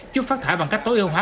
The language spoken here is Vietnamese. giúp phát thải bằng cách tối ưu hóa